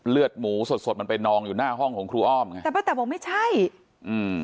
เลือดหมูสดสดมันไปนองอยู่หน้าห้องของครูอ้อมไงแต่ป้าแต๋บอกไม่ใช่อืม